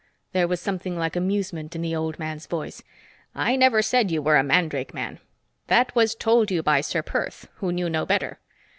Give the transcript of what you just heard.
There was something like amusement in the old man's voice. "I never said you were a mandrake man. That was told you by Ser Perth who knew no better.